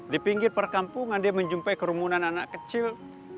di pinggir perkampungan dia menjumpai kerumunan anak kecil